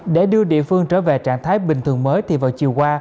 để đưa địa phương trở về trạng thái bình thường mới thì vào chiều qua